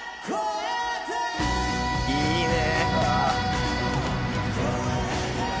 「いいね！」